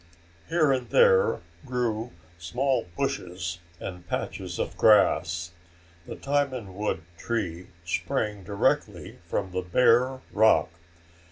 Here and there grew small bushes and patches of grass. The diamond wood tree sprang directly from the bare rock.